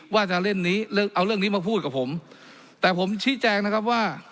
ว่าจะเล่นนี้เอาเรื่องนี้มาพูดกับผมแต่ผมชี้แจงนะครับว่า